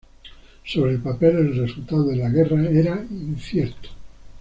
Sobre el papel, el resultado de la guerra era incierto.